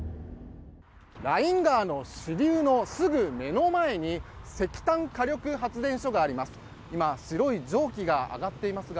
ライン川の支流のすぐ目の前に石炭火力発電所があります。